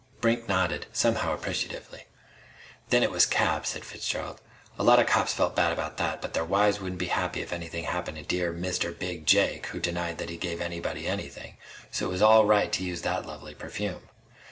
Brink nodded, somehow appreciatively. "Then it was cabs," said Fitzgerald. "A lot of cops felt bad about that. But their wives wouldn't be happy if anything happened to dear Mr. Big Jake who denied that he gave anybody anything, so it was all right to use that lovely perfume....